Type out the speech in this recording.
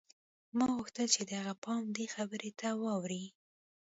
ما غوښتل چې د هغې پام دې خبرې ته واوړي